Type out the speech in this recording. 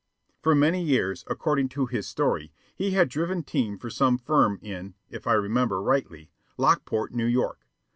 For many years, according to his story, he had driven team for some firm in (if I remember rightly) Lockport, New York.